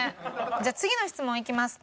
じゃあ次の質問いきます。